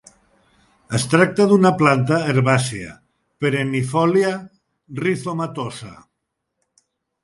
Es tracta d'una planta herbàcia, perennifòlia, rizomatosa.